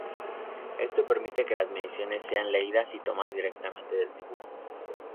Esto permite que las mediciones sean leídas o tomadas directamente del dibujo.